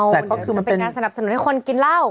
หวังเมาจะเป็นงานสนับสนุนให้คนกินเร็ว